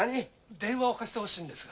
電話を貸してほしいんですが。